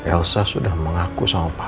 elsa sudah mengaku sama pak